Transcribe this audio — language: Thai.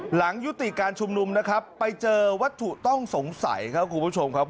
หลังยุติการชุมนุมนะครับไปเจอวัตถุต้องสงสัยครับคุณผู้ชมครับ